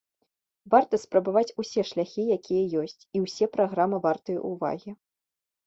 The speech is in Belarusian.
Варта спрабаваць усе шляхі, якія ёсць, і ўсе праграмы вартыя ўвагі.